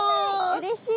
うれしい！